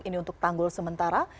ini untuk tanggul sementara